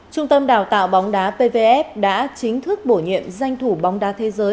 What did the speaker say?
trung tâm đào tạo bóng đá pvf đã chính thức bổ nhiệm danh thủ bóng đá thế giới